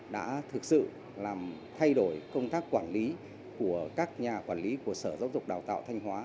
đã thực sự làm thay đổi công tác quản lý của các nhà quản lý của sở giáo dục đào tạo thanh hóa